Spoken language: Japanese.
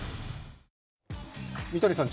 三谷さん